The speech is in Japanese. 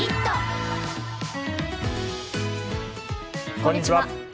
こんにちは。